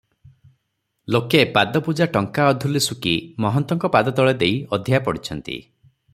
ଲୋକେ ପାଦପୂଜା ଟଙ୍କା ଅଧୂଲି ସୁକି ମହନ୍ତଙ୍କ ପାଦତଳେ ଦେଇ ଅଧ୍ୟା ପଡିଛନ୍ତି ।